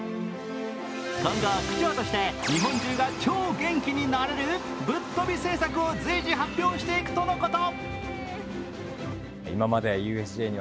今後、区長として日本中が超元気になれるぶっとび政策を随時発表していくとのこと。